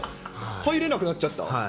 入れなくなっちゃった？